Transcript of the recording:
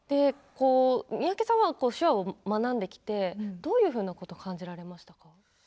三宅さんは、手話を学んできてどういうふうなこと感じられました？